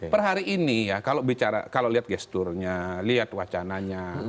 per hari ini ya kalau bicara kalau lihat gesturnya lihat wacananya